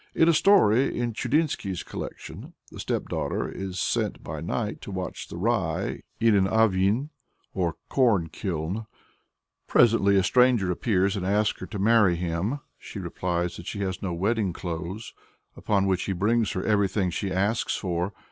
In a story in Chudinsky's collection, the stepdaughter is sent by night to watch the rye in an ovin, or corn kiln. Presently a stranger appears and asks her to marry him. She replies that she has no wedding clothes, upon which he brings her everything she asks for.